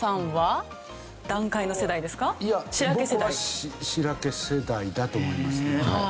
僕はしらけ世代だと思いますね。